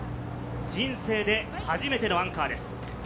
人生で初めてのアンカーです。